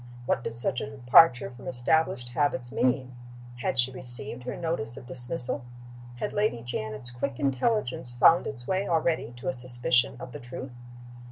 What did such a departure from established habits mean? Had she received her notice of dismissal? Had Lady Janet's quick intelligence found its way already to a suspicion of the truth?